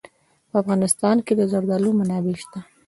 په افغانستان کې د زردالو منابع شته.